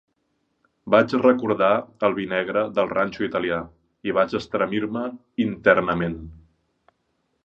Vaig recordar el vi negre del ranxo italià, i vaig estremir-me internament.